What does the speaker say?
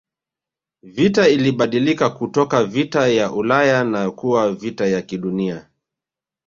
Vita ilibadilika kutoka vita ya Ulaya na kuwa vita ya kidunia